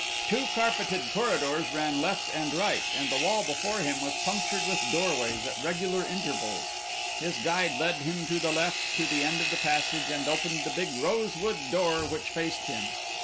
Two carpeted corridors ran left and right, and the wall before him was punctured with doorways at regular intervals. His guide led him to the left, to the end of the passage, and opened the big rosewood door which faced him.